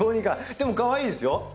でもかわいいですよ。